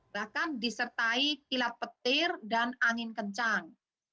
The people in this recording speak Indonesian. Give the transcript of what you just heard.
bahkan disertai kilat petir dan angin kencang